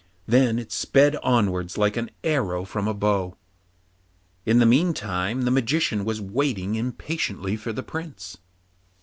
Then it sped onwards like an arrow from a bow. In the meantime the Magician was waiting impatiently for the Prince.